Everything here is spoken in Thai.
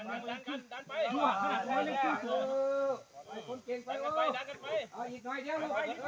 สนับสนับสนับสนับ